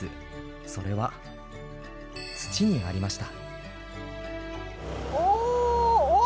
それは土にありました。